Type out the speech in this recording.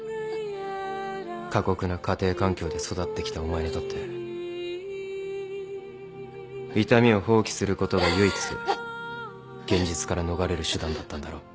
過酷な家庭環境で育ってきたお前にとって痛みを放棄することが唯一現実から逃れる手段だったんだろう。